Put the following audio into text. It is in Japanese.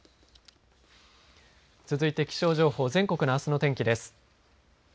続いて気象情報全国のあすの天気です。